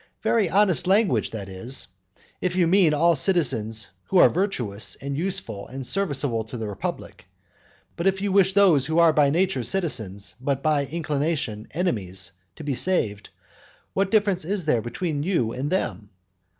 Very honest language; that is, if you mean all citizens who are virtuous, and useful, and serviceable to the republic; but if you wish those who are by nature citizens, but by inclination enemies, to be saved, what difference is there between you and them?